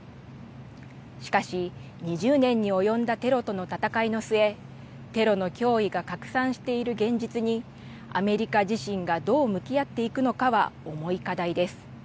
しかし、２０年に及んだテロとの戦いの末、テロの脅威が拡散している現実に、アメリカ自身がどう向き合っていくのかは重い課題です。